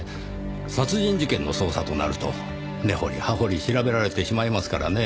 殺人事件の捜査となると根掘り葉掘り調べられてしまいますからねぇ。